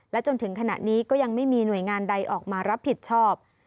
จนถึงขณะนี้ก็ยังไม่มีหน่วยงานใดออกมารับผิดชอบ